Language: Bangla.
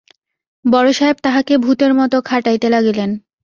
বড়োসাহেব তাহাকে ভুতের মতো খাটাইতে লাগিলেন।